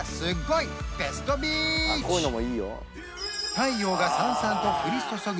太陽がさんさんと降り注ぐ